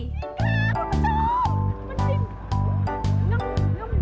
จริงค่ะคุณผู้ชม